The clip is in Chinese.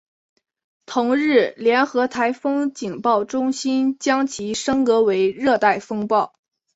同日联合台风警报中心将其升格为热带风暴。